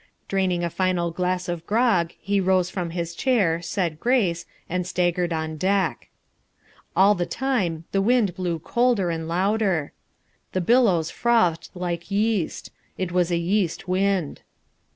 Draining a final glass of grog, he rose from his chair, said grace, and staggered on deck. All the time the wind blew colder and louder. The billows frothed like yeast. It was a yeast wind.